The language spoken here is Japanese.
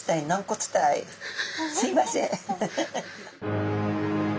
すいません。